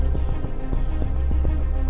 aku mau main ke rumah intan